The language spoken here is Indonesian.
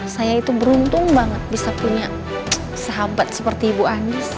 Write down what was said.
saya itu beruntung banget bisa punya sahabat seperti ibu anies